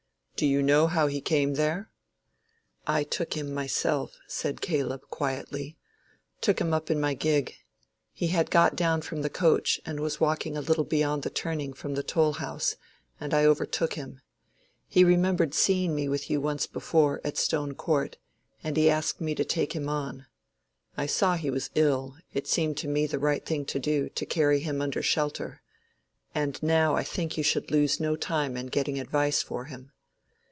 "Do you know how he came there?" "I took him myself," said Caleb, quietly—"took him up in my gig. He had got down from the coach, and was walking a little beyond the turning from the toll house, and I overtook him. He remembered seeing me with you once before, at Stone Court, and he asked me to take him on. I saw he was ill: it seemed to me the right thing to do, to carry him under shelter. And now I think you should lose no time in getting advice for him."